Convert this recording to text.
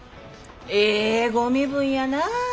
ええご身分やなぁ。